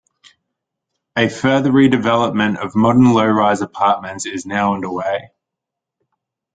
A further redevelopment of modern low rise apartments is now underway.